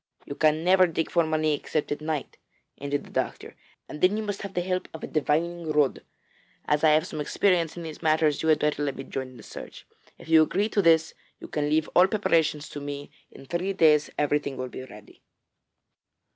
'You can never dig for money except at night,' ended the doctor, 'and then you must have the help of a divining rod. As I have some experience in these matters, you had better let me join in the search. If you agree to this, you can leave all preparations to me. In three days everything will be ready.'